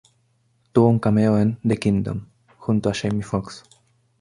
Tuvo un cameo en "The Kingdom", junto a Jamie Foxx.